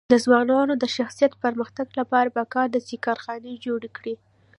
د ځوانانو د شخصي پرمختګ لپاره پکار ده چې کارخانې جوړې کړي.